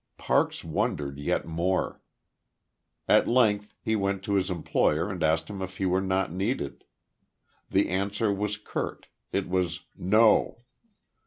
Parks wondered yet more. At length he went to his employer and asked him if he were not needed. The answer was curt; it was "no."